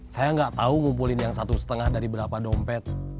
saya nggak tahu ngumpulin yang satu lima dari berapa dompet